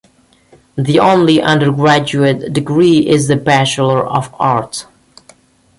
The only undergraduate degree is the Bachelor of Arts.